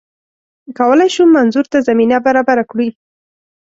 کولای شو منظور ته زمینه برابره کړي